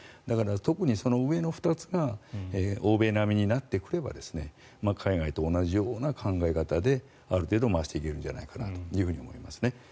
だから、特に上の２つが欧米並みになってくれば海外と同じような考え方である程度、回していけるんじゃないかと思いますね。